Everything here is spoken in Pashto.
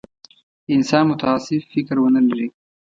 انسان متعصب فکر ونه لري.